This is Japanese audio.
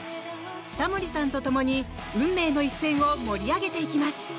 タモリさんとともに運命の一戦を盛り上げていきます。